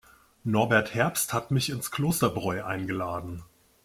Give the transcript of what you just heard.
Norbert Herbst hat mich ins Klosterbräu eingeladen.